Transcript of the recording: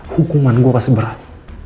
hukuman gue pasti berat